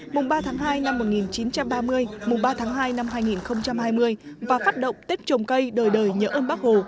mùng ba tháng hai năm một nghìn chín trăm ba mươi mùng ba tháng hai năm hai nghìn hai mươi và phát động tết trồng cây đời đời nhớ ơn bác hồ